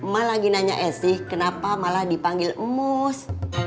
mak lagi nanya esy kenapa malah dipanggil mus